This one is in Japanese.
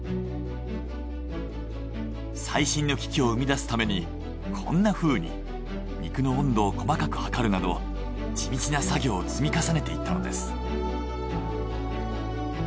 最新の機器を生み出すためにこんなふうに肉の温度を細かく測るなど地道な作業を積み重ねていったのです。